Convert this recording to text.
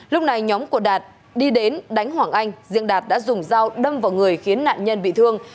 lúc này nhóm của đạt đi đến đánh hoàng anh riêng đạt đã dùng dao đâm vào người khiến nạn nhân bị thương